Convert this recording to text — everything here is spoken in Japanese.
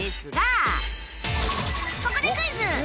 ここでクイズ